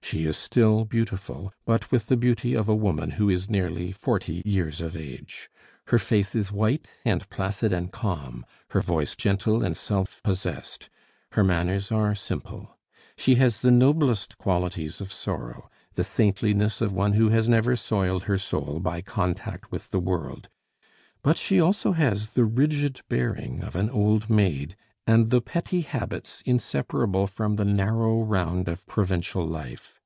She is still beautiful, but with the beauty of a woman who is nearly forty years of age. Her face is white and placid and calm; her voice gentle and self possessed; her manners are simple. She has the noblest qualities of sorrow, the saintliness of one who has never soiled her soul by contact with the world; but she has also the rigid bearing of an old maid and the petty habits inseparable from the narrow round of provincial life.